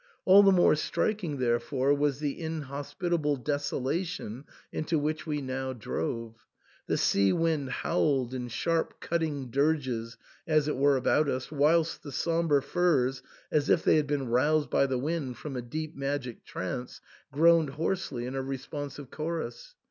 All the more striking therefore was the inhos pitable desolation into which we now drove. The sea wind howled in sharp cutting dirges as it were about us, whilst the sombre firs, as if they had been roused by the wind from a deep magic trance, groaned hoarsely in a responsive chorus.